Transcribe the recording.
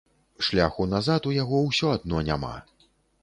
Шляху назад у яго ўсё адно няма.